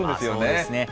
そうですね。